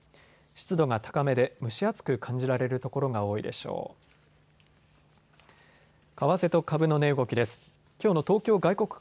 湿度が高めで蒸し暑く感じられる所が多いでしょう。